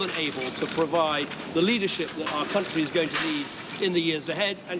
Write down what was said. และเธอจะมีความรับรับรักษ์ของฉัน